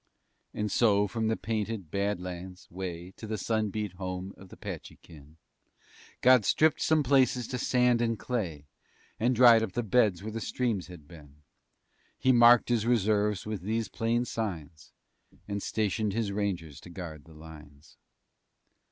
And so, from the painted Bad Lands, 'way To the sun beat home of the 'Pache kin, God stripped some places to sand and clay And dried up the beds where the streams had been. He marked His reserves with these plain signs And stationed His rangers to guard the lines.